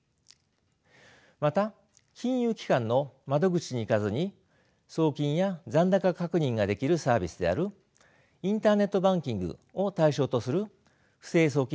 また金融機関の窓口に行かずに送金や残高確認ができるサービスであるインターネットバンキングを対象とする不正送金事犯が多発しています。